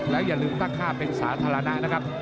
แล้วอย่าลืมตั้งค่าเป็นสาธารณะนะครับ